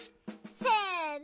せの！